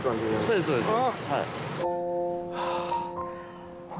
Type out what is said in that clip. そうですそうです。